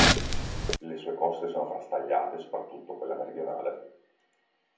Le sue coste sono frastagliate soprattutto quella meridionale.